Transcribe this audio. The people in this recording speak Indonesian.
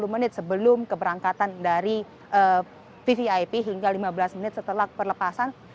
tiga puluh menit sebelum keberangkatan dari vivian hingga lima belas menit setelah perlepasan